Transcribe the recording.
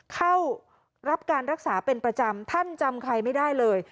เข้ารับการรักษาเป็นประจำท่านจำใครไม่ได้เลย